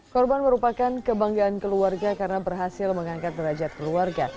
korban merupakan kebanggaan keluarga karena berhasil mengangkat derajat keluarga